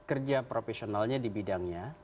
kerja profesionalnya di bidangnya